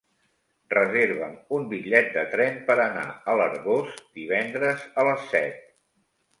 Reserva'm un bitllet de tren per anar a l'Arboç divendres a les set.